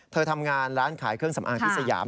เธอทำงานร้านขายเครื่องสำอางที่สยาม